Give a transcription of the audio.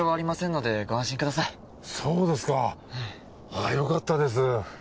ああよかったです。